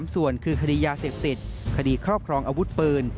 ส่วนคือคดียาเสพติดคดีครอบครองอาวุธปืน